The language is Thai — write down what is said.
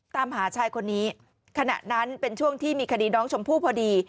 ตามหาชายคนนี้ขณะนั้นเป็นช่วงที่มีคดีน้องชมพู่พอดี